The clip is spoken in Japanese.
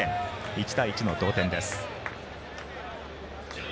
１対１の同点です。